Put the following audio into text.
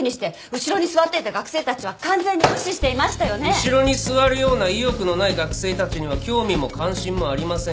後ろに座るような意欲のない学生たちには興味も関心もありません。